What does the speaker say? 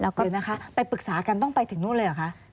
เดี๋ยวนะคะไปปรึกษากันต้องไปถึงนู่นเลยเหรอคะ